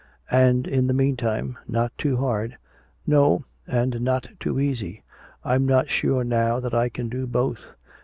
"And in the meantime, not too hard." "No, and not too easy. I'm so sure now that I can do both."